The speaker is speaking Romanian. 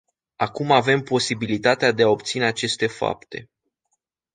Acum avem posibilitatea de a obține aceste fapte.